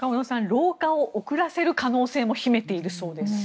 老化を遅らせる可能性も秘めているそうです。